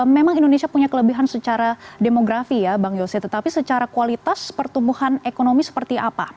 memang indonesia punya kelebihan secara demografi ya bang yose tetapi secara kualitas pertumbuhan ekonomi seperti apa